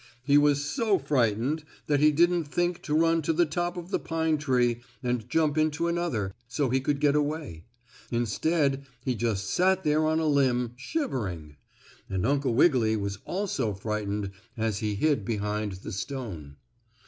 He was so frightened that he didn't think to run to the top of the pine tree, and jump into another, so he could get away. Instead he just sat there on a limb, shivering. And Uncle Wiggily was also frightened as he hid behind the stone.